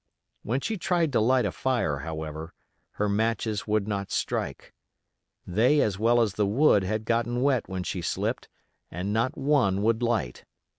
When she tried to light a fire, however, her matches would not strike. They as well as the wood had gotten wet when she slipped, and not one would light.